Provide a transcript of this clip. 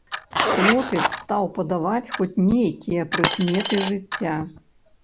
Хлопец стаў падаваць хоць нейкія прыкметы жыцця.